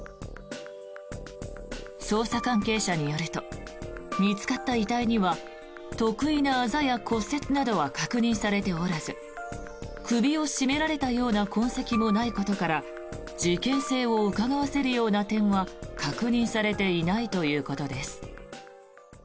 捜査関係者によると見つかった遺体には特異なあざや骨折などは確認されておらず首を絞められたような痕跡もないことから事件性をうかがわせるような点は確認されていないということです。